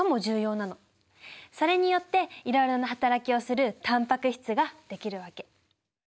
それによっていろいろな働きをするタンパク質ができるわけ。